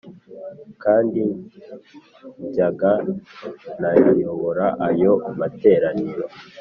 kandi njyaga nayayobora ayo materaniro